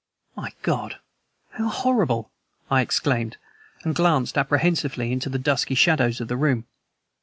"My God! How horrible!" I exclaimed, and glanced apprehensively into the dusky shadows of the room.